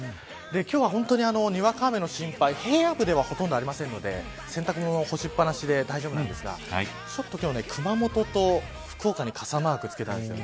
今日はにわか雨の心配平野部ではほとんどないので洗濯物、干しっぱなしで大丈夫なんですが今日は熊本と福岡に傘マークをつけました。